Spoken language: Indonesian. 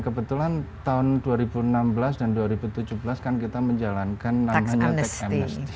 kebetulan tahun dua ribu enam belas dan dua ribu tujuh belas kan kita menjalankan namanya tax amnesty